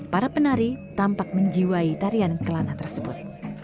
para penari tampak menjiwai tarian kelana tersebut